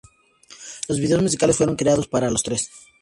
Los videos musicales fueron creados para los tres.